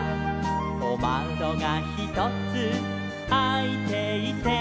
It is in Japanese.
「おまどがひとつあいていて」